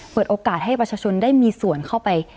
เปิดโอกาสให้ประชาชนได้มีส่วนเข้าไป